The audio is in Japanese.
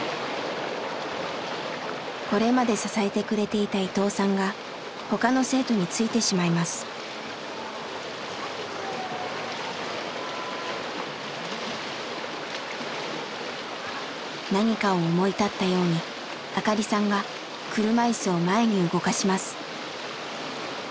これまで支えてくれていた伊藤さんが他の生徒についてしまいます。何かを思い立ったように明香里さんが車いすを前に動かします。